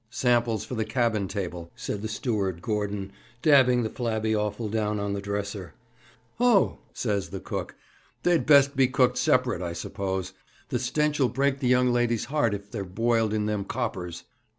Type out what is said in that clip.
'Samples for the cabin table,' said the steward, Gordon, dabbing the flabby offal down on the dresser. 'Ho!' says the cook. 'They'd best be cooked separate, I suppose. The stench'll break the young lady's heart if they're boiled in them coppers.'